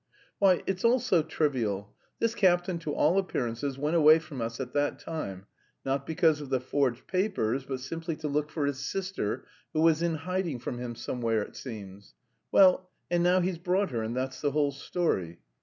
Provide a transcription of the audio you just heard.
"Why, it's all so trivial.... This captain to all appearances went away from us at that time; not because of the forged papers, but simply to look for his sister, who was in hiding from him somewhere, it seems; well, and now he's brought her and that's the whole story.